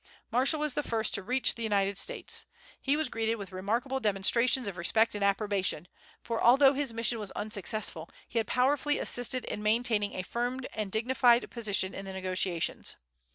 Marshall was the first to reach the United States. He was greeted with remarkable demonstrations of respect and approbation; for, although his mission was unsuccessful, he had powerfully assisted in maintaining a firm and dignified position in the negotiations.